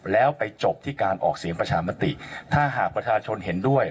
แล้วไปจบที่การออกเสียงประชามติถ้าหากประชาชนเห็นด้วย